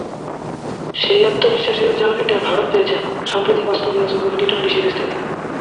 সেই আত্মবিশ্বাসের জ্বালানিটা ভারত পেয়েছে সাম্প্রতিক অস্ট্রেলিয়া সফরে টি-টোয়েন্টি সিরিজ থেকে।